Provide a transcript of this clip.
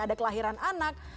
ada kelahiran anak